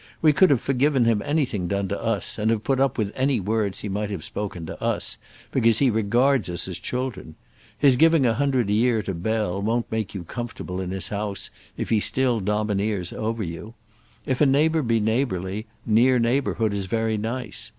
"We could have forgiven him anything done to us, and have put up with any words he might have spoken to us, because he regards us as children. His giving a hundred a year to Bell won't make you comfortable in this house if he still domineers over you. If a neighbour be neighbourly, near neighbourhood is very nice.